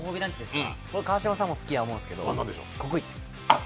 川島さんも好きやと思うんですけど、ココイチです。